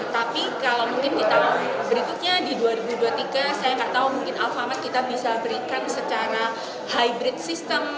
tapi kalau mungkin di tahun berikutnya di dua ribu dua puluh tiga saya nggak tahu mungkin alfamart kita bisa berikan secara hybrid system